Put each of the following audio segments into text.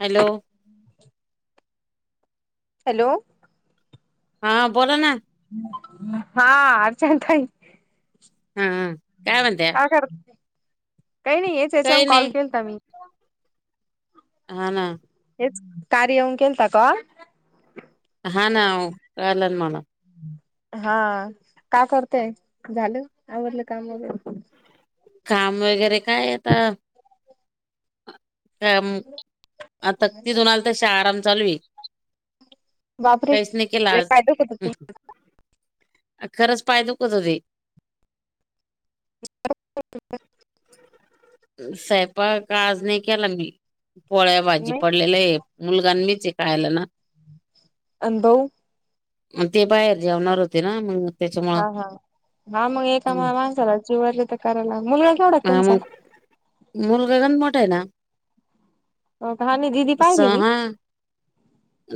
Hello. Hello. हा बोला ना. हा अच्छा ताई. हा काय म्हत्या. करत काही नाहीच याच्यावर काही कॉल नाही केल तर मी. हा ना. एच कार्यावन केलता का. हा ना कळलं ना मला. हा का करतेय झालं आवडलं काम वगैरे. काम वगैरे काय आता. त्याम आता ती दोन आली तशे आराम चालू आहे. बापरे कैसने लय केलाज पाय दुखत होत आज हम. खरंच पाय दुखत होते. [inaudible] साहेपा का आज नाही केला मी पोळ्या भाजी नाही पडलेलं आहे. मुलगां मीच कायला ना. अनभव. ते बाहेर जेवणार होते ना मग. त्याच्यामुळं हा हा हा मग एका हम्म. माणसाला जीवले तर करायला मुलगा केवढा तुमचा. मूल गगन मोठं आहे ना हा नाही दिदी पाहिली मी सहा.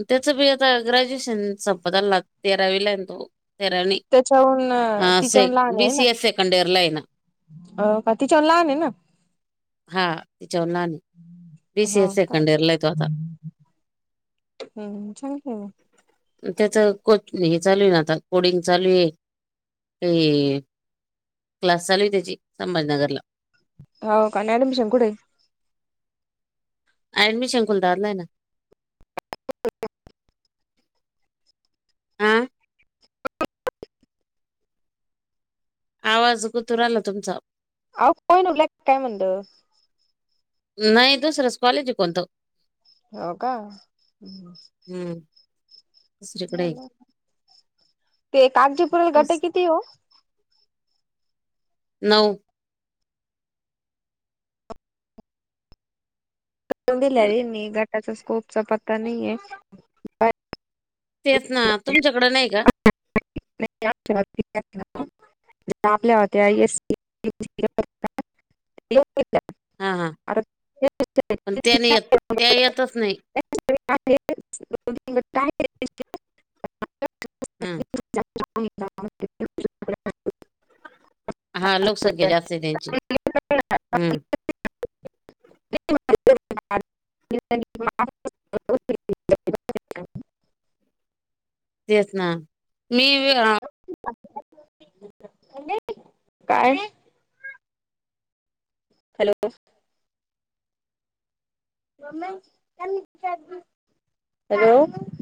त्याच बी आता ग्रॅज्युएशन संपत आलं तेरावी ला तो तेराणी नाही. त्याच्याहून से तिच्याहून लहान बी आहे ना. सी एस सेकंड इयरला आहे ना अ बाकीच्याहून लहान आहे ना. हा तिच्यावर ना हो बीसीए का सेकंड इयर ला आहे तो आता. हम्म चांगल आहे ना. त्याच कोच हे चालू आहे ना आता कोडिंग चालू आहे. क्लास चालू त्याची संभाजीनगरला. हो का आणि ऍडमिशन कुठे आहे. अऍडमिशन खुलदारलाय ना. [inaudible] हा आवाज कुतु राहायला तुमचा. आ कोन उरला काय म्हणल. नाही दुसरंच कॉलेज कोणतं. हो का. हम्म. दुसरीकडे आहे. ते कागजीपुरील गट तेच. किती हो. नऊ. दिल्या न- रे मी गटाचा स्कोपचा पत्ता नाहीय. तेच ना तुमच्याकडं नाही का. [inaudible] आपल्या होत्या [inaudible] [inaudible] हा हा पण त्याने येत त्या येतच नाही का [inaudible] हम्म. [inaudible] हा लोकसंख्या जास्त आहे त्यांची हम्म. तेच ना मीवि हा. काय नाही. हॅलो. हॅलो.